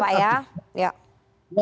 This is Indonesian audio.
psikohirarki ya pak ya